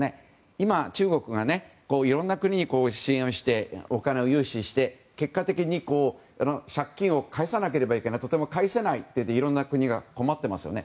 今、中国がいろいろな国に支援してお金を融資して結果的に借金を返さなければいけないけどとても返せないといっていろんな国が困っていますよね。